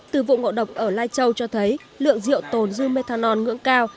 từ vụ ngộ độc ở lai châu cho thấy lượng rượu tồn du methanol ngưỡng cao